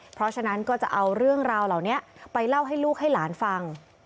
เพราะฉะนั้นก็จะเอาเรื่องราวเหล่านี้ไปเล่าให้ลูกให้หลานฟัง